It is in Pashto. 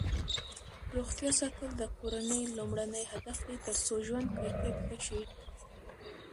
روغتیا ساتل د کورنۍ لومړنی هدف دی ترڅو ژوند کیفیت ښه شي.